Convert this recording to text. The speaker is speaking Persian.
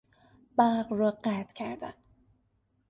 برق را قطع کردن